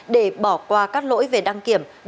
để bỏ qua các lỗi về đăng kiểm